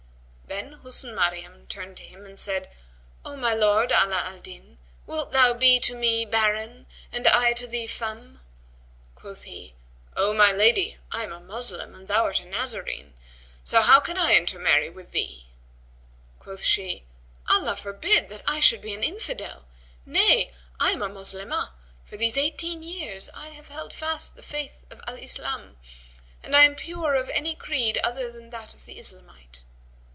Then Husn Maryam turned to him and said, "O my lord, Ala al Din, wilt thou be to me baron and I be to thee femme?" Quoth he, "O my lady, I am a Moslem and thou art a Nazarene; so how can I intermarry with thee?" Quoth she, "Allah forbid that I should be an infidel! Nay, I am a Moslemah; for these eighteen years I have held fast the Faith of Al Islam and I am pure of any creed other than that of the Islamite."